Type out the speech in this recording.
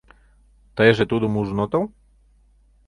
Тыйже тудым ужын отыл?